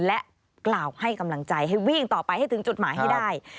และกล่าวให้กำลังใจให้วิ่งต่อไปให้ถึงจุดหมายให้ได้